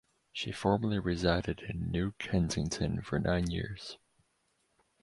She formerly resided in New Kensington for nine years.